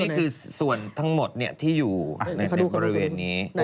นี่คือส่วนทั้งหมดที่อยู่ในบริเวณนี้